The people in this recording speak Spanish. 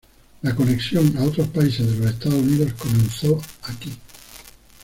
La conexión a otros países de los Estados Unidos comenzó aquí.